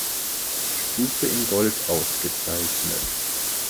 Stufe in Gold ausgezeichnet.